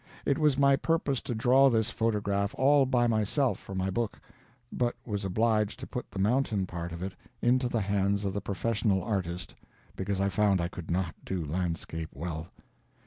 It was my purpose to draw this photograph all by myself for my book, but was obliged to put the mountain part of it into the hands of the professional artist because I found I could not do landscape well.